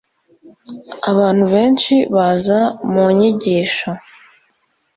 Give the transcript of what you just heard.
abantu benshi baza mu nyigisho